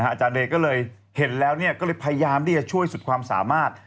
อาจารย์เดย์ก็เลยเห็นแล้วก็เลยพยายามที่จะช่วยสุดความสามารถ